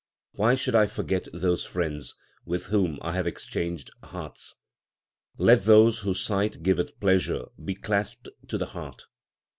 Why should I forget those friends with whom I have exchanged hearts ? Let those whose sight giveth pleasure be clasped to the heart.